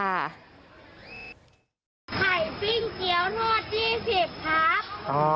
ไข่ปิ้งเกี้ยวนวด๒๐ครับ